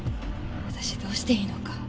私どうしていいのか。